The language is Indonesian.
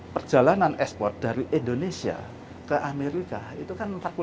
perjalanan ekspor dari indonesia ke amerika itu kan empat puluh lima